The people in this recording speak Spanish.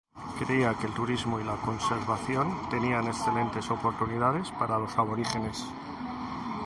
Creía que el turismo y la conservación tenían excelentes oportunidades para los aborígenes.